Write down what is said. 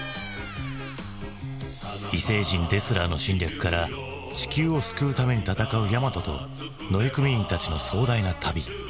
異星人デスラーの侵略から地球を救うために戦うヤマトと乗組員たちの壮大な旅。